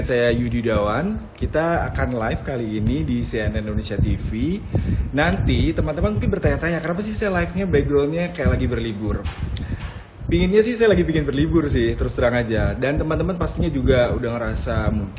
saya live di rumah sendiri tentunya tapi dengan background